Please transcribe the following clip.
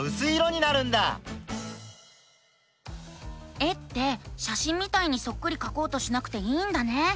絵ってしゃしんみたいにそっくりかこうとしなくていいんだね。